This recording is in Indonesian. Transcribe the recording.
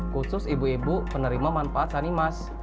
khusus ibu ibu penerima manfaat sanimas